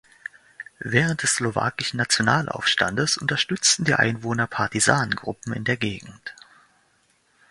Während des Slowakischen Nationalaufstandes unterstützten die Einwohner Partisanengruppen in der Gegend.